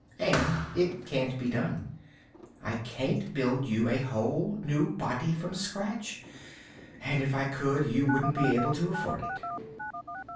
And it can't be done. I can't build you a whole new body from scratch, and if I could do it you wouldn't be able to afford it."